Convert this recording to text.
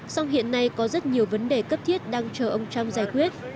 song hiện nay có rất nhiều vấn đề cấp thiết đang chờ ông trump giải quyết